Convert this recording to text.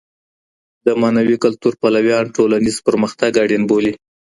د معنوي کلتور پلویان ټولنیز پرمختګ اړین بولي.